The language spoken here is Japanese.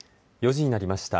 ４時になりました。